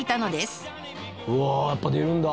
うわあやっぱ出るんだ。